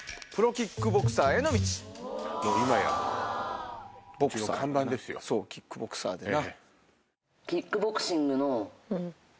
キックボクサーでな。